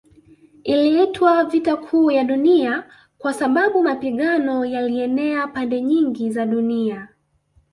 Iliitwa Vita Kuu ya Dunia kwa sababu mapigano yalienea pande nyingi za dunia